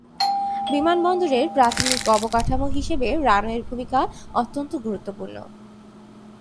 বিমানবন্দরের প্রাথমিক অবকাঠামো হিসেবে রানওয়ের ভূমিকা অত্যন্ত গুরুত্বপূর্ণ।